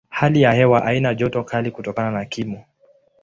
Hali ya hewa haina joto kali kutokana na kimo.